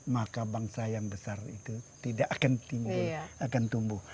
maka bangsa yang besar itu tidak akan tumbuh